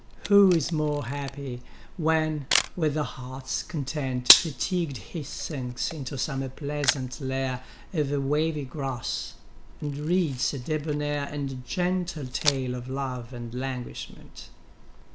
Who is more happy, when, with heartâs content, Fatigued he sinks into some pleasant lair Of wavy grass, and reads a debonair And gentle tale of love and languishment?